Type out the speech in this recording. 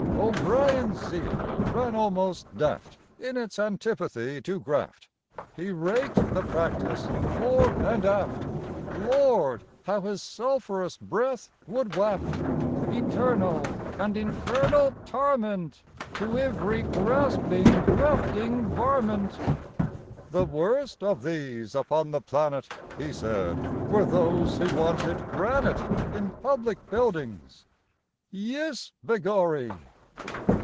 O'Brien's zeal ran almost daft In its antipathy to graft. He raked the practice fore and aft; Lord! how his sulphurous breath would waft "Eternal and infernal tarmint To ivery grasping, grafting, varmint." The worst of these upon the planet, He said, were those who wanted granite In public buildings, "yis, begorry!"